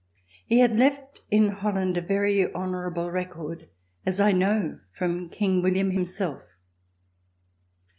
He had left in Holland a very honorable record, as I know from King William himself.